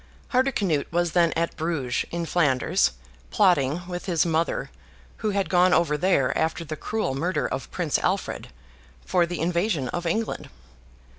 Hardicanute was then at Bruges, in Flanders, plotting, with his mother (who had gone over there after the cruel murder of Prince Alfred), for the invasion of England.